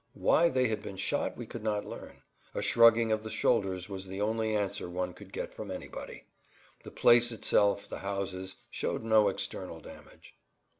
Why they had been shot we could not learn. A shrugging of the shoulders was the only answer one could get from anybody. The place itself, the houses, showed no external damage.